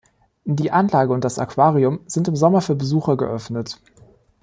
Die Anlage und das Aquarium sind im Sommer für Besucher geöffnet.